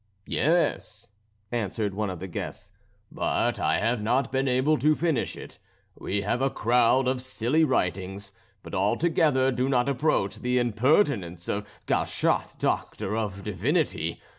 " "Yes," answered one of the guests, "but I have not been able to finish it. We have a crowd of silly writings, but all together do not approach the impertinence of 'Gauchat, Doctor of Divinity.'